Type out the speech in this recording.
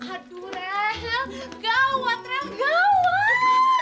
aduh rel gawat rel gawat